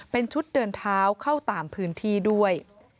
เป็นชุดเดินเท้าเข้าตามพื้นที่ด้วย